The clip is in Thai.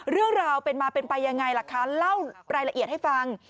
เรื่องราวเป็นมาเป็นไปยังไงล่ะคะเล่ารายละเอียดให้ฟัง